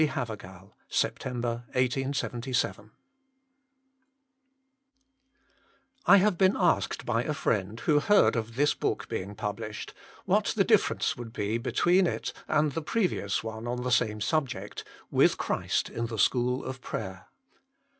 HAVEROAL. September 1877. INTRODUCTION T HAVE been asked by a friend, who heard of this J book being published, what the difference would be between it and the previous one on the same subject, WITH CHRIST IN THE SCHOOL OF PKAYEK.